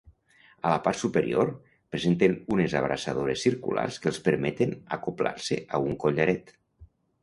A la part superior presenten unes abraçadores circulars que els permeten acoblar-se a un collaret.